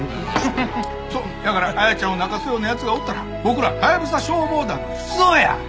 そうだから彩ちゃんを泣かすような奴がおったら僕らハヤブサ消防団の出動や！